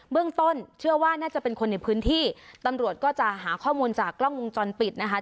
เรื่องต้นเชื่อว่าน่าจะเป็นคนในพื้นที่ตำรวจก็จะหาข้อมูลจากกล้องวงจรปิดนะคะ